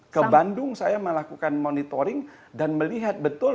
ke bandung saya melakukan monitoring dan melihat betul